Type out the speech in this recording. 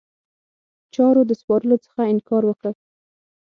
چارو د سپارلو څخه انکار وکړ.